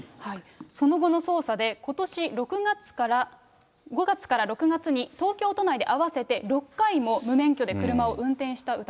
その後の捜査で、ことし５月から６月に東京都内で合わせて６回も無免許で車を運転